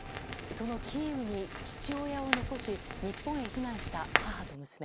このキーウに父親を残し日本へ避難した母と娘。